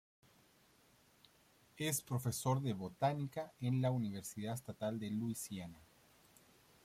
Es profesor de botánica en la Universidad Estatal de Luisiana.